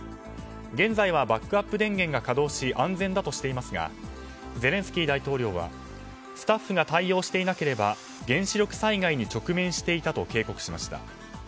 現在はバックアップ電源が稼働し安全だとしていますがゼレンスキー大統領はスタッフが対応していなければ原子力災害に直面していたと警告しました。